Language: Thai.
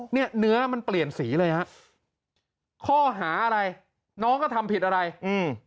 เนี้ยเนื้อมันเปลี่ยนสีเลยฮะข้อหาอะไรน้องก็ทำผิดอะไรอืม